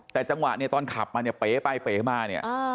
แต่จังหวะเนี่ยตอนขับมาเนี่ยเป๋ไปเป๋มาเนี่ย